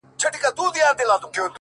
زه به د څو شېبو لپاره نور،